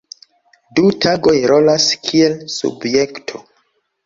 Du tagoj rolas kiel subjekto.